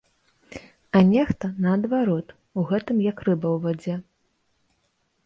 А нехта, наадварот, у гэтым як рыба ў вадзе.